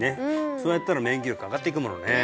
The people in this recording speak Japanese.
そうやったら免疫力上がっていくものね